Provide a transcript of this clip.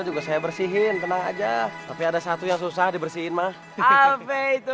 juga saya bersihin tenang aja tapi ada satu yang susah dibersihin mah itu